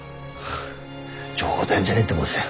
冗談じゃねえって思ってたよ。